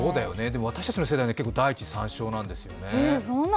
私たちの世代は結構、「大地讃頌」なんですよね。